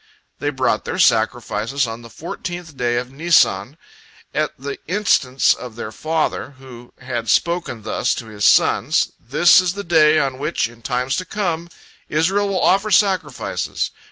They brought their sacrifices on the fourteenth day of Nisan, at the instance of their father, who had spoken thus to his sons: "This is the day on which, in times to come, Israel will offer sacrifices.